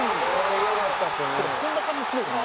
これ本田さんもすごいよな。